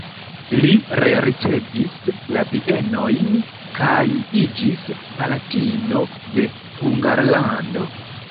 Li rericevis la bienojn kaj iĝis palatino de Hungarlando.